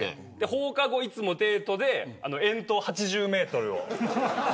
放課後いつもデートで遠投８０メートルを。